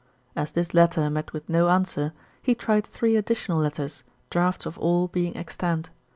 As this letter met with no answer, he tried three additional letters, drafts of all being extant.